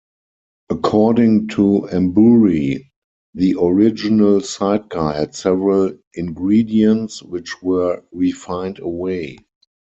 According to Embury, the original sidecar had several ingredients, which were "refined away".